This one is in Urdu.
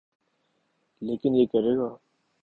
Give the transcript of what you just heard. لیکن یہ کرے گا۔